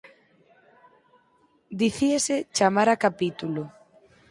Dicíase "chamar a capítulo".